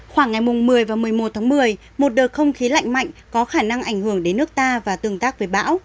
khoảng ngày một mươi và một mươi một tháng một mươi một đợt không khí lạnh mạnh có khả năng ảnh hưởng đến nước ta và tương tác với bão